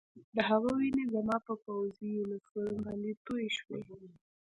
د هغه وینې زما په پوځي یونیفورم باندې تویې شوې